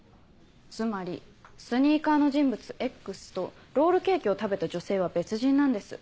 つまりスニーカーの人物Ｘとロールケーキを食べた女性は別人なんです。